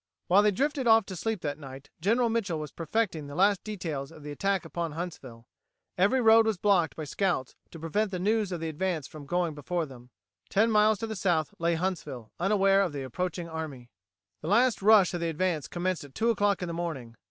While they drifted off to sleep that night, General Mitchel was perfecting the last details of the attack upon Huntsville. Every road was blocked by scouts to prevent the news of the advance going before them. Ten miles to the south lay Huntsville, unaware of the approaching army. The last rush of the advance commenced at two o'clock in the morning.